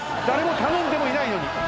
誰も頼んでもいないのに。